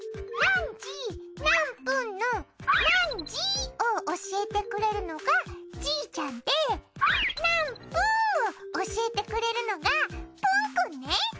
なんじなんぷんのなんじを教えてくれるのがじーちゃんでなんぷんを教えてくれるのがぷんくんね。